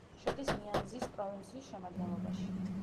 შედის ნიანზის პროვინციის შემადგენლობაში.